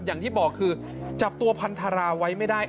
อย่างที่บอกคือจับตัวพันธราไว้ไม่ได้